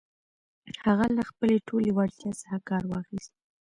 هغه له خپلې ټولې وړتيا څخه کار واخيست.